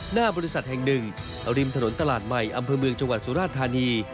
หน้าบริษัทแห่งหนึ่งริมถนนตลาดใหม่อำเภอเมืองจังหวัดสุราธานี